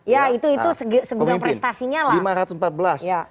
ya itu segudang prestasinya lah